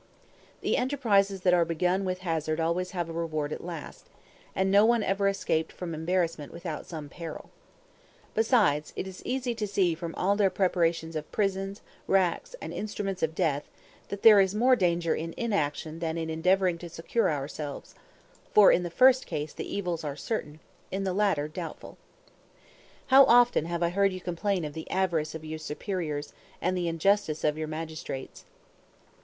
The enterprises that are begun with hazard always have a reward at last; and no one ever escaped from embarrassment without some peril. Besides, it is easy to see from all their preparations of prisons, racks, and instruments of death, that there is more danger in inaction than in endeavoring to secure ourselves; for in the first case the evils are certain, in the latter doubtful. How often have I heard you complain of the avarice of your superiors and the injustice of your magistrates.